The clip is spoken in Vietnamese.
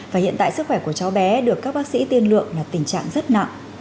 và hiện tại sức khỏe của cháu bé được các bác sĩ tiên lượng là tình trạng rất nặng